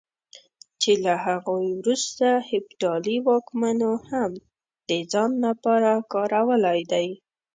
چې له هغوی وروسته هېپتالي واکمنو هم د ځان لپاره کارولی دی.